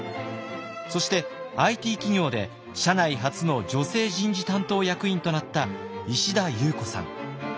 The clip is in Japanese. そしてＩＴ企業で社内初の女性人事担当役員となった石田裕子さん。